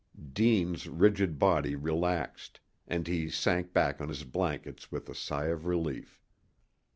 Deane's rigid body relaxed, and he sank back on his blankets with a sigh of relief.